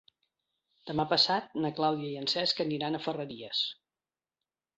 Demà passat na Clàudia i en Cesc aniran a Ferreries.